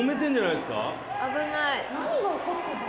危ない何が起こってる？